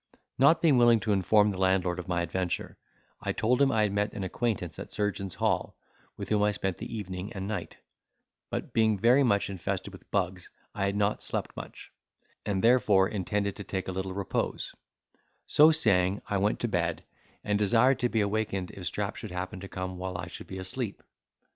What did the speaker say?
Not being willing to inform the landlord of my adventure, I told him I had met an acquaintance at Surgeons' Hall, with whom I spent the evening and night; but being very much infested with bugs, I had not slept much, and therefore intended to take a little repose; so saying, I went to bed, and desired to be awakened if Strap should happen to come while I should be asleep.